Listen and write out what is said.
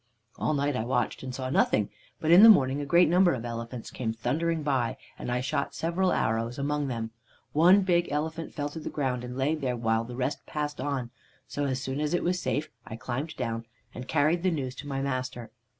"All night I watched, and saw nothing, but in the morning a great number of elephants came thundering by, and I shot several arrows among them. One big elephant fell to the ground, and lay there while the rest passed on; so, as soon as it was safe, I climbed down and carried the news to my master.